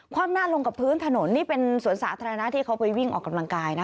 ความหน้าลงกับพื้นถนนนี่เป็นสวนสาธารณะที่เขาไปวิ่งออกกำลังกายนะ